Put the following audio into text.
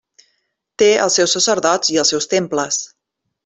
Té els seus sacerdots i els seus temples.